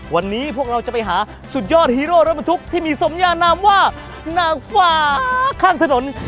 วันนี้พวกเราจะไปหาสุดยอดฮีโร่รถบรรทุกที่มีสมยานามว่านางฟ้าข้างถนน